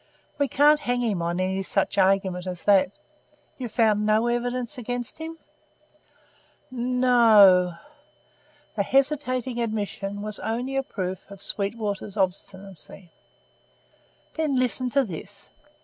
We can't hang him on any such argument as that. You've found no evidence against him?" "N no." The hesitating admission was only a proof of Sweetwater's obstinacy. "Then listen to this.